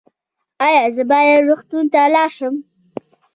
ایا زه باید روغتون ته لاړ شم؟